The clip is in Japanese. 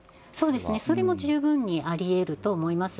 それも十分にあり得ると思います。